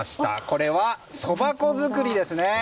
これは、そば粉作りですね。